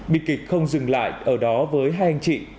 biệt kịch không dừng lại ở đó với hai anh chị